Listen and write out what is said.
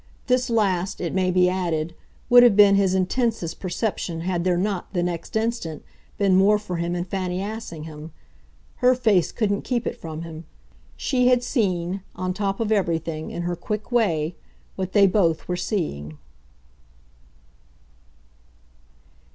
This last, it may be added, would have been his intensest perception had there not, the next instant, been more for him in Fanny Assingham. Her face couldn't keep it from him; she had seen, on top of everything, in her quick way, what they both were seeing.